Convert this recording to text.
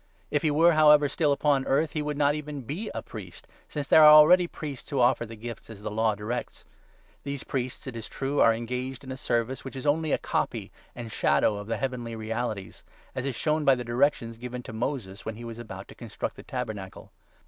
If he 4 were, however, still upon earth, he would not even be a priest, since there are already priests who offer the gifts as the Law directs. (These priests, it is true, are engaged in a 5 service which is only a copy and shadow of the heavenly realities, as is shown by the directions given to Moses when he was about to construct the Tabernacle.